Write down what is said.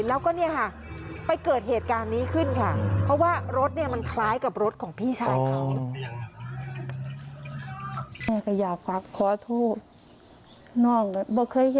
แล้วก็เนี่ยค่ะไปเกิดเหตุการณ์นี้ขึ้นค่ะเพราะว่ารถเนี่ยมันคล้ายกับรถของพี่ชายเขา